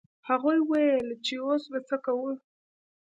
هغوی وویل چې اوس به څه کوو.